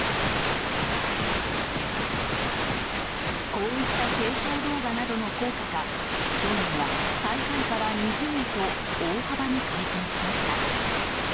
こういった警鐘動画などの効果か去年は、最下位から２０位と大幅に改善しました。